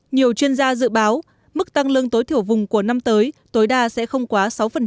nhiều chuyên gia dự báo mức tăng lương tối thiểu vùng của năm tới tối đa sẽ không quá sáu